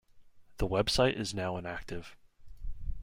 The website is now inactive.